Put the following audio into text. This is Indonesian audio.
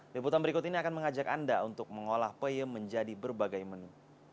liputan berikut ini akan mengajak anda untuk mengolah peyem menjadi berbagai menu